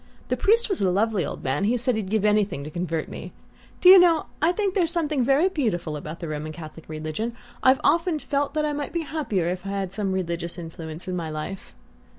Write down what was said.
The priest was a lovely old man he said he'd give anything to convert me. Do you know, I think there's something very beautiful about the Roman Catholic religion? I've often felt I might have been happier if I'd had some religious influence in my life."